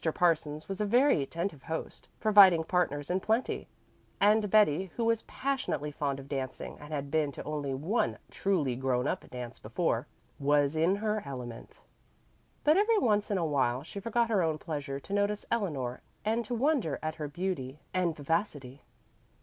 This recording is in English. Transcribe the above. Parsons was a very attentive host, providing partners in plenty; and Betty, who was passionately fond of dancing and had been to only one "truly grown up" dance before, was in her element. But every once in awhile she forgot her own pleasure to notice Eleanor and to wonder at her beauty and vivacity.